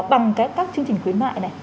bằng các chương trình khuyến mại này